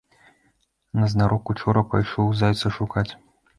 Назнарок учора пайшоў зайца шукаць.